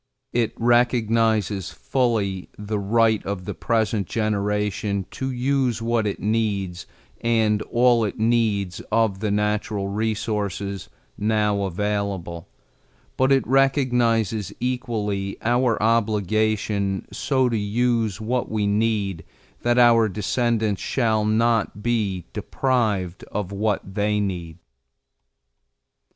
It recognizes fully the right of the present generation to use what it needs and all it needs of the natural resources now available, but it recognizes equally our obligation so to use what we need that our descendants shall not be deprived of what they need.